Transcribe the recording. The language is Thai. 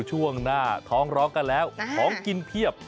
ช่วงหน้าท้องร้องกันแล้วของกินเพียบ